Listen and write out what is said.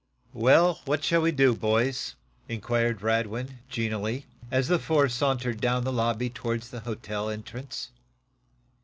"Well, what shall we do, boys?" inquired Radwin, genially, as, the four sauntered down the lobby toward the hotel entrance.